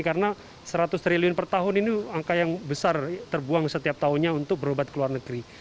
karena seratus triliun per tahun ini angka yang besar terbuang setiap tahunnya untuk berobat di luar negeri